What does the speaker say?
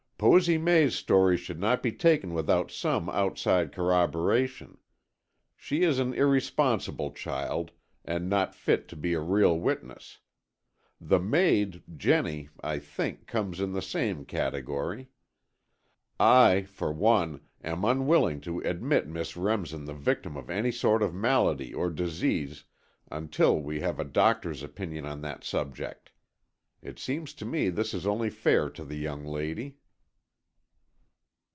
"Posy May's story should not be taken without some outside corroboration. She is an irresponsible child, and not fit to be a real witness. The maid, Jennie, I think, comes in the same category. I, for one, am unwilling to admit Miss Remsen the victim of any sort of malady or disease until we have a doctor's opinion on that subject. It seems to me this is only fair to the young lady."